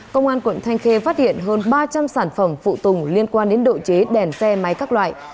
công an quận thanh khê phát hiện hơn ba trăm linh sản phẩm phụ tùng liên quan đến độ chế đèn xe máy các loại